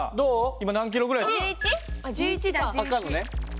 １１キロぐらい。